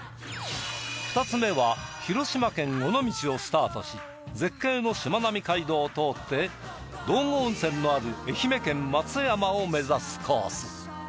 ２つ目は広島県尾道をスタートし絶景のしまなみ海道を通って道後温泉のある愛媛県松山を目指すコース。